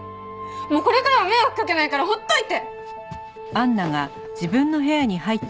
もうこれからは迷惑かけないからほっといて！